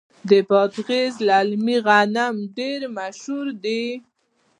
د بادغیس للمي غنم ډیر مشهور دي.